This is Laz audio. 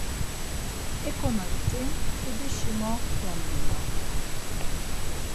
Ek̆onariti mtsudişi mo gondginap.